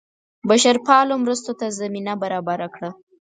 بشرپالو مرستو ته زمینه برابره کړه.